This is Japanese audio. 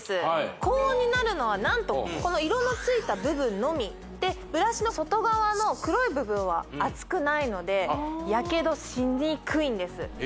高温になるのは何とこの色のついた部分のみでブラシの外側の黒い部分は熱くないのでヤケドしにくいんですへえ